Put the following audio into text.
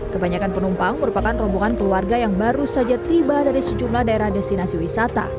kebanyakan penumpang merupakan rombongan keluarga yang baru saja tiba dari sejumlah daerah destinasi wisata